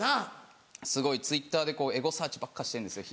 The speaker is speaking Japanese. すごいＴｗｉｔｔｅｒでエゴサーチばっかしてるんですよ